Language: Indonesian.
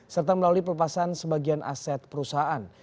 serta melalui pelepasan sebagian aset perusahaan